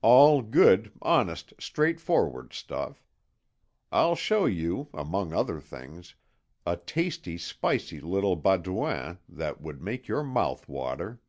All good, honest, straightforward stuff. I'll show you, among other things, a tasty, spicy little Baudouin that would make your mouth water."